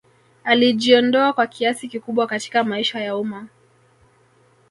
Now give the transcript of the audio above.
Alijiondoa kwa kiasi kikubwa katika maisha ya umma